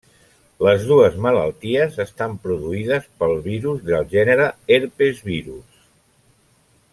Les dues malalties estan produïdes per virus del gènere Herpesvirus.